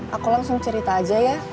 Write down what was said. aku langsung cerita aja ya